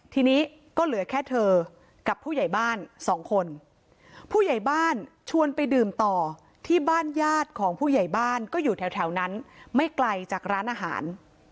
ทีนี้ก็เหลือแค่เธอกับผู้ใหญ่บ้านสองคนผู้ใหญ่บ้านชวนไปดื่มต่อที่บ้านญาติของผู้ใหญ่บ้านก็อยู่แถวนั้นไม่ไกลจากร้านอาหาร